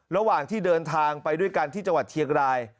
ระหว่างที่เดินทางไปด้วยกันที่จังหวัดเชียงราย